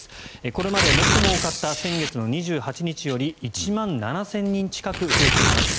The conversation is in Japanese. これまで最も多かった先月の２８日より１万７０００人近く増えています。